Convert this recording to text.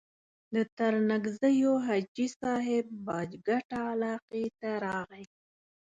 د ترنګزیو حاجي صاحب باج کټه علاقې ته راغی.